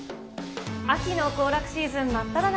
秋の行楽シーズン真っただ中。